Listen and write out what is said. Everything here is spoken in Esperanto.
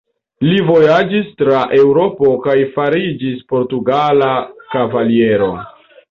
Li vojaĝis tra Eŭropo kaj fariĝis portugala kavaliro.